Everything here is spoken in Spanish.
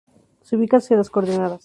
Se ubica hacia las coordenadas